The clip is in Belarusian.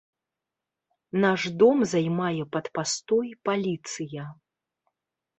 Наш дом займае пад пастой паліцыя.